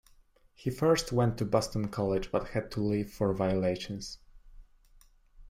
He first went to Boston College, but had to leave for violations.